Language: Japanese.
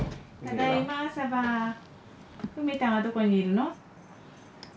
梅たんはどこにいるの？